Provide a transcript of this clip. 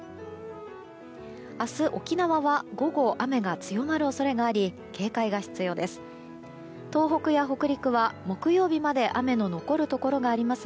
明日、沖縄は午後雨が強まる恐れがあり警戒が必要です。